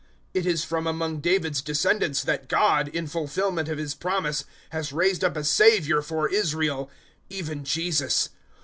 013:023 "It is from among David's descendants that God, in fulfilment of His promise, has raised up a Saviour for Israel, even Jesus.